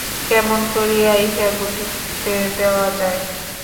কেমন করিয়া ইহা ঘটিতে দেওয়া যায়।